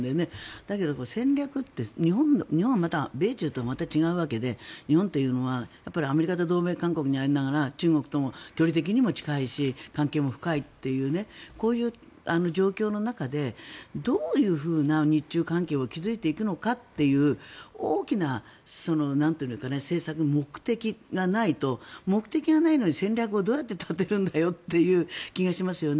だけど戦略って日本は米中とはまた違うわけで日本というのはアメリカと同盟関係にありながら中国とも距離的にも近いし関係も深いというこういう状況の中でどういうふうな日中関係を築いていくのかという大きな政策、目的がないと目的がないのに戦略をどうやって立てるんだよという気がしますよね。